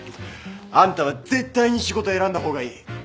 あんたは絶対に仕事選んだ方がいい